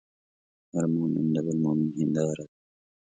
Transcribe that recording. هر مؤمن د بل مؤمن هنداره ده.